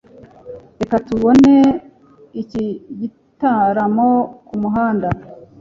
reka tubone iki gitaramo kumuhanda